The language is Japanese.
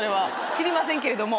知りませんけれども。